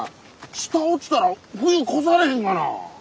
下落ちたら冬越されへんがな。